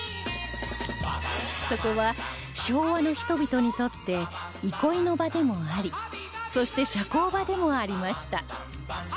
そこは昭和の人々にとって憩いの場でもありそして社交場でもありました